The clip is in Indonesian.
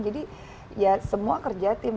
jadi ya semua kerja tim